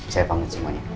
saya bangun semuanya